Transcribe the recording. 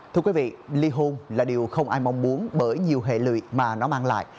thưa quý vị ly hôn là điều không ai mong muốn bởi nhiều hệ lụy mà nó mang lại